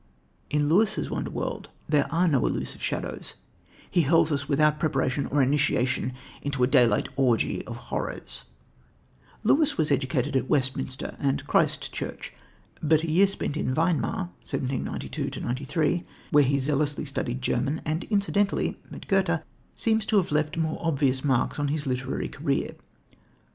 In Lewis's wonder world there are no elusive shadows; he hurls us without preparation or initiation into a daylight orgy of horrors. Lewis was educated at Westminster and Christ Church, but a year spent in Weimar (1792 3), where he zealously studied German, and incidentally, met Goethe, seems to have left more obvious marks on his literary career.